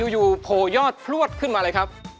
อยู่โผล่ยอดพลวดขึ้นมาเลยครับ